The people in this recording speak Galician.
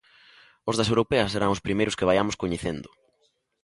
Os das europeas serán os primeiros que vaiamos coñecendo.